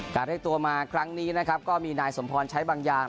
เรียกตัวมาครั้งนี้นะครับก็มีนายสมพรใช้บางอย่าง